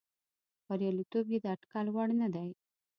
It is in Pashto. بریالیتوب یې د اټکل وړ نه دی.